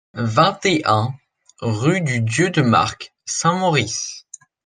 vingt et un, rue du Dieu-de-Marcq, Saint-Maurice.